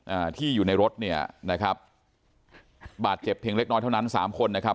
อ่าที่อยู่ในรถเนี่ยนะครับบาดเจ็บเพียงเล็กน้อยเท่านั้นสามคนนะครับ